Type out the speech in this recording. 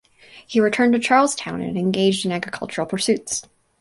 He returned to Charlestown and engaged in agricultural pursuits.